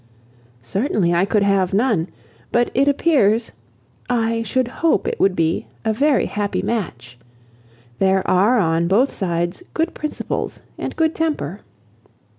"Certainly I could have none. But it appears—I should hope it would be a very happy match. There are on both sides good principles and good temper."